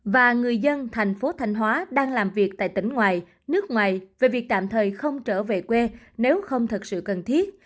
và người dân thành phố thanh hóa đang làm việc tại tỉnh ngoài nước ngoài về việc tạm thời không trở về quê nếu không thật sự cần thiết